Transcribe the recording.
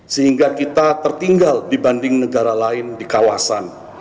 sehingga kita tertinggal dibanding negara lain di kawasan